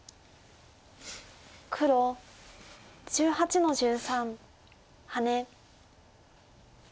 黒１８の十三ハネ。